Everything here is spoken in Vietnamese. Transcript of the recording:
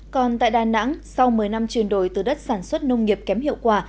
còn tại đà nẵng sau một mươi năm chuyển đổi từ đất sản xuất nông nghiệp kém hiệu quả